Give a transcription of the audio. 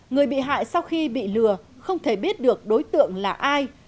người bị hại sau khi bị lừa không thể biết được đối tượng là ai